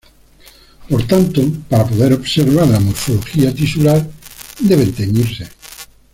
Por tanto, para poder observar la morfología tisular deben "teñirse".